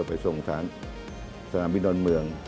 ไปส่งสารสนามบินดอนเมือง